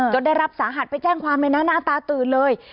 ได้รับสาหัสไปแจ้งความเลยนะหน้าตาตื่นเลย